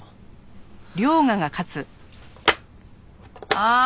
ああ！